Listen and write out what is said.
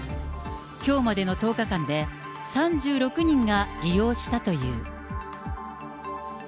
きょうまでの１０日間で３６人が利用したという。